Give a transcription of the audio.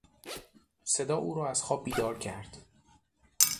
صدا او را از خواب بیدار کرد.